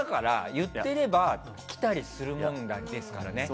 言ってればきたりするもんだからね。